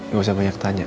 gak usah banyak tanya